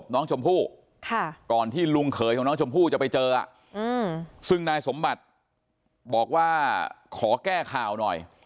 นายสมบัติบอกว่าขอแก้ข่าวหน่อย